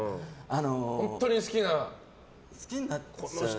本当に好きな。